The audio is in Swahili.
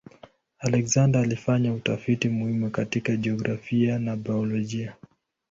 Alexander alifanya utafiti muhimu katika jiografia na biolojia.